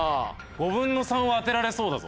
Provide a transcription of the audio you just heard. ５分の３は当てられそうだぞ？